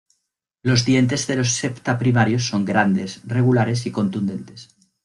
Los dientes de los septa primarios son grandes, regulares y contundentes.